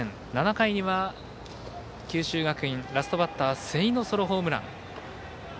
７回には九州学院ラストバッター瀬井のソロホームラン。